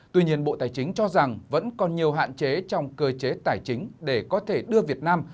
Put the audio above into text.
tuy nhiên bộ tài chính cho rằng vẫn còn nhiều hạn chế trong cơ chế tài chính để có thể đưa việt nam